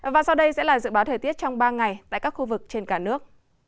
và sau đây sẽ là dự báo thời tiết trong ba ngày tại các khu vực trên cả nước